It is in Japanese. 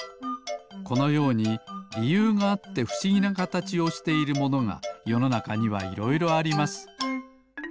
このようにりゆうがあってふしぎなかたちをしているものがよのなかにはいろいろあります。